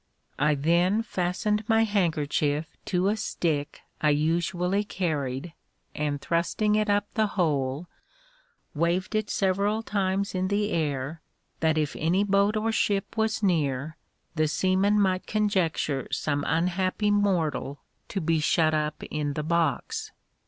I then fastened my handkerchief to a stick I usually carried, and thrusting it up the hole, waved it several times in the air, that if any boat or ship was near, the seamen might conjecture some unhappy mortal to be shut up in the box.